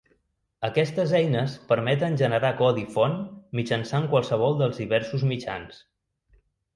Aquestes eines permeten generar codi font mitjançant qualsevol dels diversos mitjans.